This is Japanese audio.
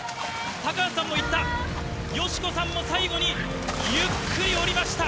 高橋さんも行った、よしこさんも最後にゆっくりおりました。